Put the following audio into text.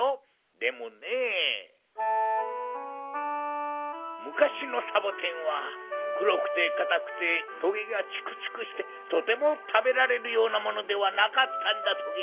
でもねむかしのサボテンはくろくてかたくてトゲがチクチクしてとてもたべられるようなものではなかったんだトゲ。